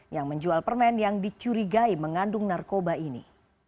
yang menjual permen yang dicurigai mengandung narkoba ini